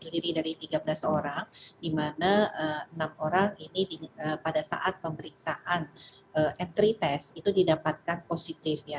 diri dari tiga belas orang di mana enam orang ini pada saat pemeriksaan entry test itu didapatkan positif ya